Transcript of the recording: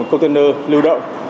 container lưu động